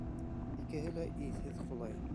Икеһе лә иҫһеҙ ҡолай.